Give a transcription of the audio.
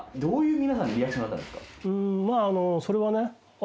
まぁそれはね。